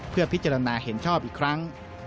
เพื่อพิจารณาเห็นชอบอีกครั้ง